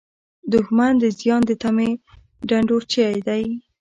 دښمن د زیان د تمې ډنډورچی دی